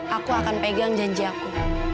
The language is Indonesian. aku akan pegang janji aku